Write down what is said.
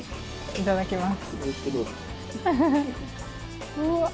いただきます。